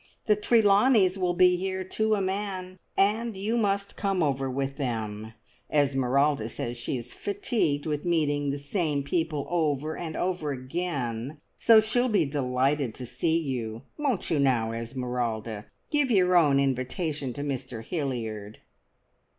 The Trelawneys will be here to a man, and you must come over with them. Esmeralda says she is fatigued with meeting the same people over and over again, so she'll be delighted to see you. Won't you now, Esmeralda? Give your own invitation to Mr Hilliard."